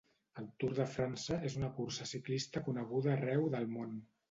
El Tour de França és una cursa ciclista coneguda arreu del món.